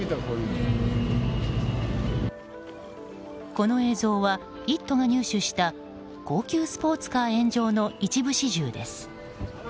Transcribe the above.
この映像は「イット！」が入手した高級スポーツカー炎上の一部始終です。